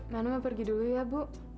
manu mau pergi dulu ya bu